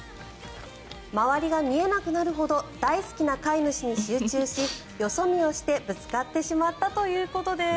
周りが見えなくなるほど大好きな飼い主に集中しよそ見をしてぶつかってしまったということです。